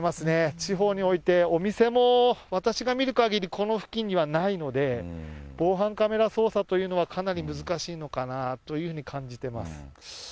地方において、お店も私が見るかぎり、この付近にはないので、防犯カメラ捜査というのは、かなり難しいのかなというふうに感じてます。